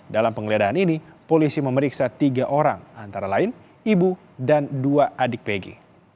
dalam penggeledahan ini polisi memeriksa tiga orang antara lain ibu dan dua adik pg